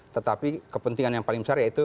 tetapi kepentingan yang paling besar yaitu